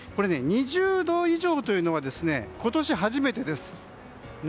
２０度以上というのは今年初めてです。